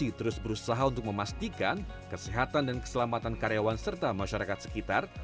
ini terus berusaha untuk memastikan kesehatan dan keselamatan karyawan serta masyarakat sekitar